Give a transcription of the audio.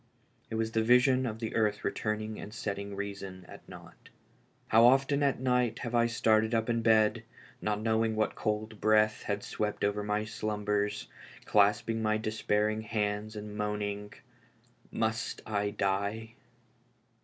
It was the vision of the earth returning and setting reason at naught. How often at night have I started up in bed, not knowing what cold breath had swept over my slumbers, clasping my despairing hands and moaning, " Must I die?